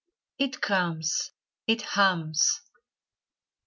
It comes! It hums!